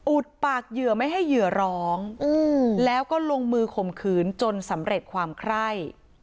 ปากเหยื่อไม่ให้เหยื่อร้องแล้วก็ลงมือข่มขืนจนสำเร็จความไคร่